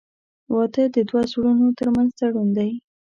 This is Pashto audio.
• واده د دوه زړونو تر منځ تړون دی.